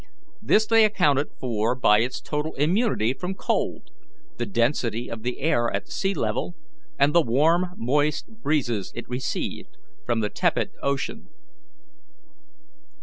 This they accounted for by its total immunity from cold, the density of the air at sea level, and the warm moist breezes it received from the tepid ocean.